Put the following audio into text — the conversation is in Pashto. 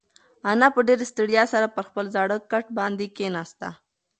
انا په ډېرې ستړیا سره پر خپل زاړه کټ باندې کښېناسته.